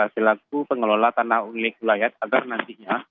selaku pengelola tanah milik wilayah agar nantinya